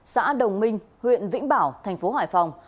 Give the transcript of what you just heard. xã đồng minh huyện vĩnh bảo tp hải phòng